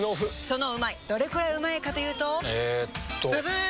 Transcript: そのうまいどれくらいうまいかというとえっとブブー！